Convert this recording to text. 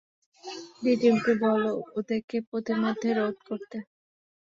ডি-টিমকে বলো ওদেরকে পথিমধ্যে রোধ করতে।